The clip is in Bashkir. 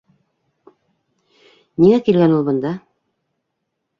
Ниңә килгән ул бында?